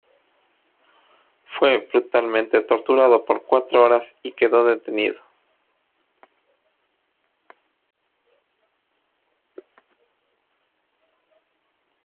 Fue brutalmente torturado por cuatro horas y quedó detenido.